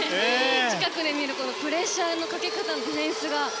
近くで見るとプレッシャーのかけ方ディフェンスの。